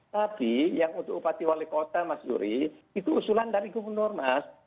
tapi yang untuk upati wali kota mas yuri itu usulan dari gubernur mas